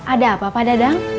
ada apa pak dadang